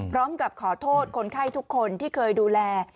พร้อมกับขอโทษคนไข้ทุกคนที่เคยดูแล